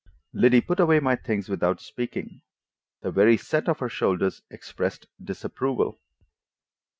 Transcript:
Liddy put away my things without speaking. The very set of her shoulders expressed disapproval.